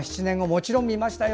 もちろん見ましたよ。